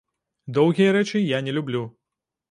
Доўгія рэчы я не люблю.